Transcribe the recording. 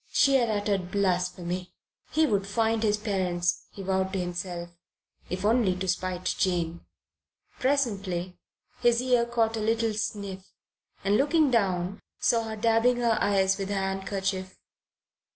She had uttered blasphemy. He would find his parents, he vowed to himself, if only to spite Jane. Presently his ear caught a little sniff, and looking down, saw her dabbing her eyes with her handkerchief.